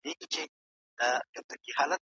که لیکنه سمه سي نو د لوستلو مینه ډیریږي.